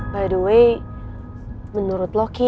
btw menurut lo ki